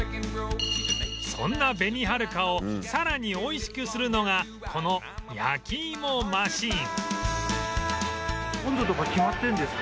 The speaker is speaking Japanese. そんなべにはるかをさらに美味しくするのがこの焼き芋マシン